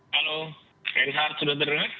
halo saya rizal sudah terdengar